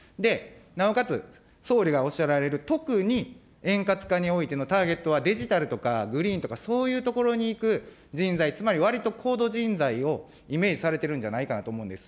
なおかつ、総理がおっしゃられる、特に円滑化においてターゲットは、デジタルとかグリーンとか、そういうところに行く人材、つまりわりと高度人材をイメージされてるんじゃないかなと思うんです。